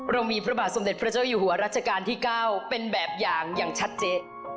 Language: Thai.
เรามีพระบาทสมเด็จพระเจ้าอยู่หัวรัชกาลที่๙เป็นแบบอย่างอย่างชัดเจน